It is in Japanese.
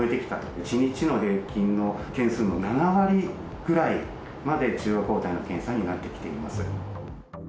１日の平均の件数の７割ぐらいまで、中和抗体の検査になってきています。